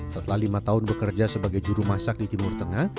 setelah lima tahun bekerja sebagai juru masak di timur tengah